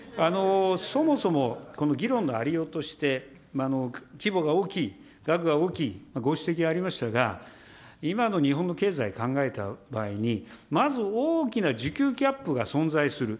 そもそも、この議論のありようとして、規模が大きい、額が大きい、ご指摘がありましたが、今の日本の経済考えた場合に、まず、大きな需給ギャップが存在する。